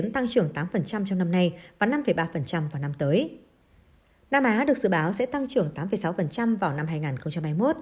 tăng trưởng tám trong năm nay và năm ba vào năm tới nam á được dự báo sẽ tăng trưởng tám sáu vào năm hai nghìn hai mươi một